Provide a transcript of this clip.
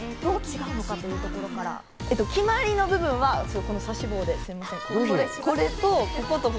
決まりの部分は、指し棒ですみません。